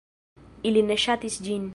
Ili ne ŝatis ĝin.